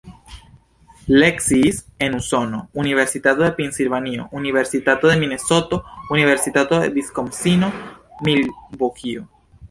Lekciis en Usono: Universitato de Pensilvanio, Universitato de Minesoto, Universitato de Viskonsino-Milvokio.